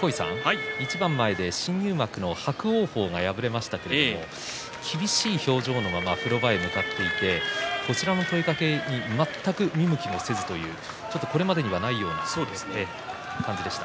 新入幕の伯桜鵬が敗れましたけれども、厳しい表情のまま風呂場に向かっていってこちらの問いかけには全く見向きもせずというこれまでにない感じでした。